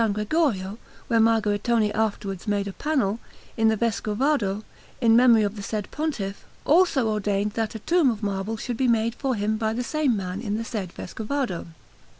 Gregorio (where Margaritone afterwards made a panel) in the Vescovado, in memory of the said Pontiff, also ordained that a tomb of marble should be made for him by the same man in the said Vescovado.